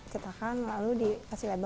ketakan lalu dikasih label